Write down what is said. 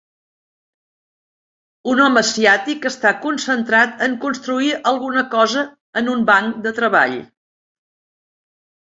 Un home asiàtic està concentrat en construir alguna cosa en un banc de treball.